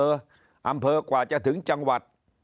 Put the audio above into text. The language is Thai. กว่าจะถึงอำเภออำเภอกว่าจะถึงจังหวัด